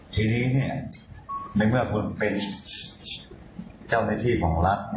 ทีนี้ในเมื่อคุณเป็นเจ้าหน้าที่ของรัฐ